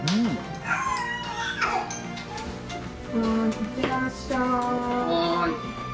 行ってらっしゃい。